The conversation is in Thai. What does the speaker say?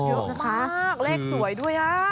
เยอะมากเลขสวยด้วย